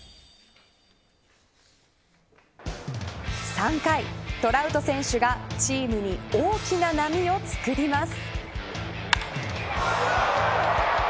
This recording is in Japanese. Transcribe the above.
３回、トラウト選手がチームに大きな波をつくります。